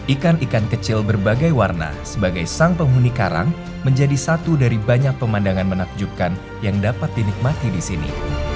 ikan ikan kecil berbagai warna sebagai sang penghuni karang menjadi satu dari banyak pemandangan menakjubkan yang dapat dinikmati di sini